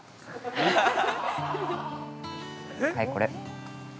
はい、これ。